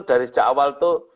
dari sejak awal itu